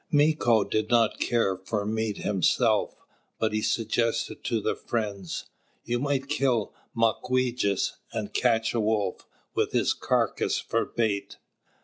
Mīko did not care for meat himself; but he suggested to the friends: "You might kill Mawquejess and catch a Wolf, with his carcass for bait."